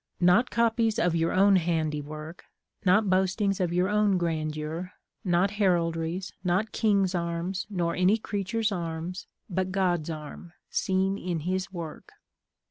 Not copies of your own handiwork; not boastings of your own grandeur; not heraldries; not king's arms, nor any creature's arms, but God's arm, seen in His work.